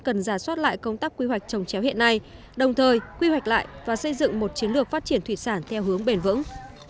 cần giả soát lại công tác quy hoạch trồng chéo hiện nay đồng thời quy hoạch lại và xây dựng một chiến lược phát triển thủy sản theo hướng bền vững